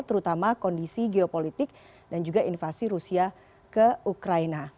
terutama kondisi geopolitik dan juga invasi rusia ke ukraina